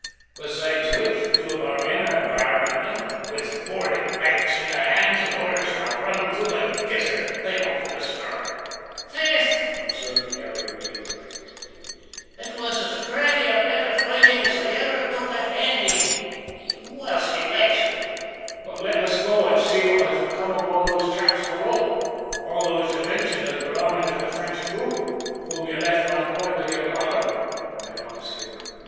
Besides which, two of our men are guarding there, with boarding pikes in their hands and orders to run 'em through the gizzard if they offer to stir." "Faith," observed Garry O'Neil reflectively, "It was as purty a bit of foighting as I ivver took a hand in, whilst it lasted!" "But let us go and see what has become of all those chaps below all those you mentioned as belonging to the French crew, whom you left on board with your daughter," went on the skipper.